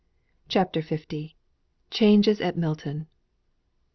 CHAPTER L CHANGES AT MILTON.